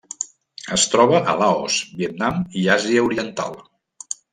Es troba a Laos, Vietnam i Àsia Oriental.